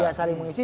ya saling mengisi